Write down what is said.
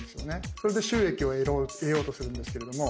それで収益を得ようとするんですけれども。